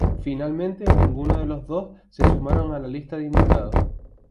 Finalmente, ninguno de los dos se sumaron a la lista de invitados.